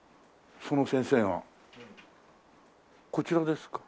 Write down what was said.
その先生がこちらですか？